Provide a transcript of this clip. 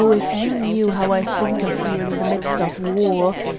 if you knew how I think of you in the midst of war!